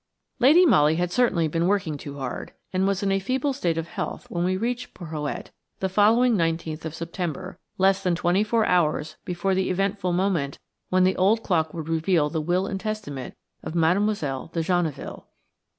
3 LADY MOLLY had certainly been working too hard, and was in a feeble state of health when we reached Porhoët the following 19th of September, less than twenty four hours before the eventful moment when the old clock would reveal the will and testament of Mademoiselle de Genneville.